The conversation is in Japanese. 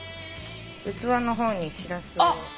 器の方にしらすを。